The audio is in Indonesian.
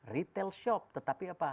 retail shop tetapi apa